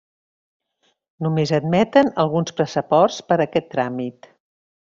Només admeten alguns passaports per a aquests tràmits.